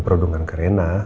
perundungan ke rena